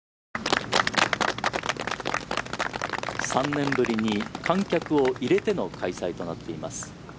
３年ぶりに観客を入れての開催となっています。